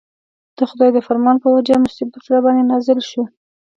د خدای د فرمان په وجه مصیبت راباندې نازل شو.